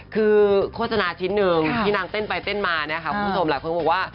คือโฆษณาชิ้นหนึ่งที่นางเต้นไปเต้นมานะคะคุณผู้ชมหลายคนก็บอกว่า